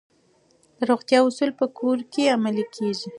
د روغتیا اصول په کور کې عملي کیږي.